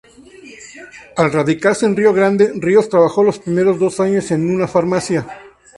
Al radicarse en Río Grande, Ríos trabajó los primeros dos años en una farmacia.